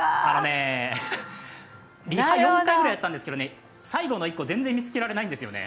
リハ４回くらいやったんですが最後の１個、全然見つけられないんですよね。